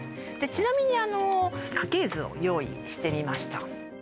ちなみにあの家系図を用意してみました